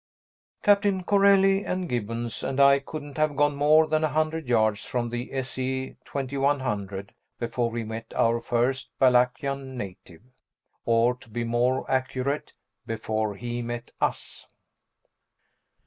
Captain Corelli and Gibbons and I couldn't have gone more than a hundred yards from the S.E.2100 before we met our first Balakian native. Or, to be more accurate, before he met us.